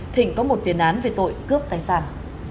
thịnh có một tiền án về tội cướp tài sản